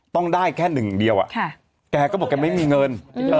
ต้องได้แค่หนึ่งเดียวแกก็บอกแกไม่มีเงิน